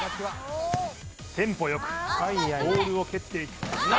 テンポよくボールを蹴っていく８